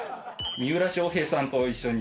三浦翔平さんと一緒に。